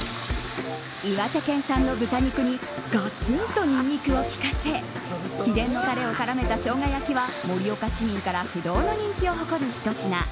岩手県産の豚肉にガツンとニンニクを利かせ秘伝のタレを絡めたショウガ焼きは盛岡市民から不動の人気を誇るひと品。